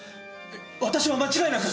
私は間違いなく！